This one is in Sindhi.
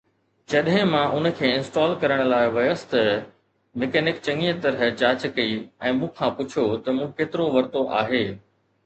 جڏهن مان ان کي انسٽال ڪرڻ لاءِ ويس ته ميڪنڪ چڱيءَ طرح جاچ ڪئي ۽ مون کان پڇيو ته مون ڪيترو ورتو آهي؟